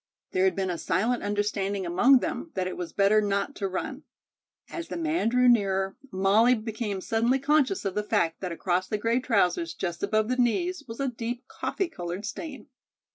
There had been a silent understanding among them that it was better not to run. As the man drew nearer, Molly became suddenly conscious of the fact that across the gray trousers just above the knees was a deep coffee colored stain.